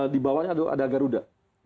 di bawahnya ada garuda